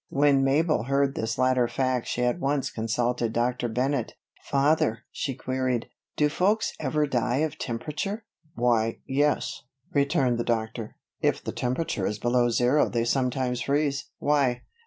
When Mabel heard this latter fact she at once consulted Dr. Bennett. "Father," she queried, "do folks ever die of temperature?" "Why, yes," returned the Doctor. "If the temperature is below zero they sometimes freeze. Why?"